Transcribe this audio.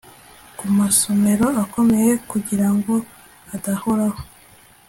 ku masomero akomeye, kugirango adahoraho